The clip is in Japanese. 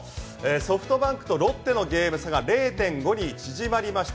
ソフトバンクとロッテのゲーム差が０．５に縮まりました。